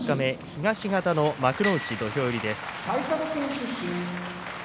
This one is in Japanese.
東方力士の土俵入りです。